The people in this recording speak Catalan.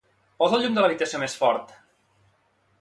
Posa el llum de l'habitació més fort.